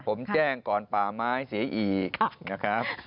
ผมแจ้งก่อนป่าไม้เสียอีก